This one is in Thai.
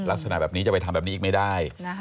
ลักษณะแบบนี้จะไปทำแบบนี้อีกไม่ได้